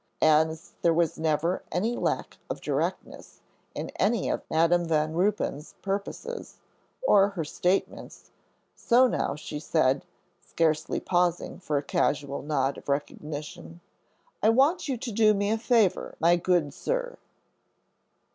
As there was never any lack of directness in any of Madam Van Ruypen's purposes, or her statements, so now she said, scarcely pausing for a casual nod of recognition, "I want you to do me a favor, my good sir."